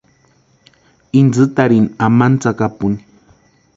Intsïtarini amani tsakapuni.